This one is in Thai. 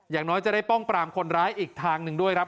อย่างน้อยจะได้ป้องปรามคนร้ายอีกทางหนึ่งด้วยครับ